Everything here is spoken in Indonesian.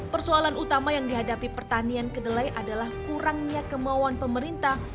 persoalan utama yang dihadapi pertanian kedelai adalah kurangnya kemauan pemerintah